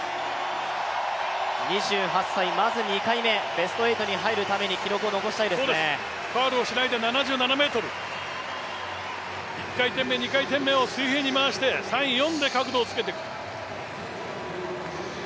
２８歳、まず２回目、ベスト８に残るためにファウルをしないで７７ｍ、１回転目、２回転目を水平に回して、３、４で角度をつけていく。